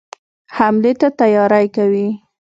حملې ته تیاری کوي.